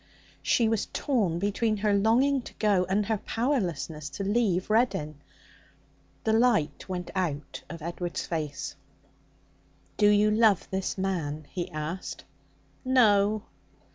She was torn between her longing to go and her powerlessness to leave Reddin. The light went out of Edward's face. 'Do you love this man?' he asked. 'No.'